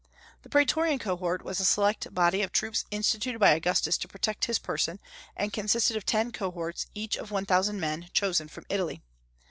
The Praetorian Cohort was a select body of troops instituted by Augustus to protect his person, and consisted of ten cohorts, each of one thousand men, chosen from Italy.